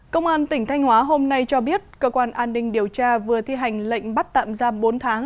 công an tỉnh thanh hóa hôm nay cho biết cơ quan an ninh điều tra vừa thi hành lệnh bắt tạm giam bốn tháng